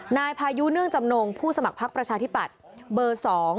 นายพายุเนื่องจำนงผู้สมัครพักประชาธิปัตย์เบอร์๒